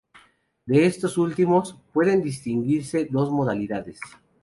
De estos últimos, pueden distinguirse dos modalidades.